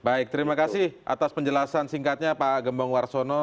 baik terima kasih atas penjelasan singkatnya pak gembong warsono